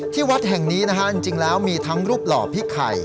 วัดแห่งนี้นะฮะจริงแล้วมีทั้งรูปหล่อพี่ไข่